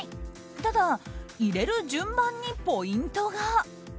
ただ、入れる順番にポイントが。